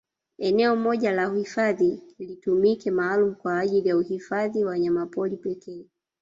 Eneo moja la uhifadhi litumike maalum kwa ajili ya uhifadhi wanyamapori pekee